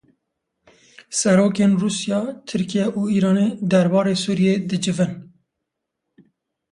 Serokên Rusya, Tirkiye û Îranê derbarê Sûriyê dicivin.